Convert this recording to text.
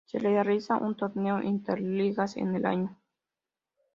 Se realiza un torneo interligas en el año.